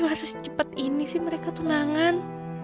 masa secepat ini sih mereka tunangan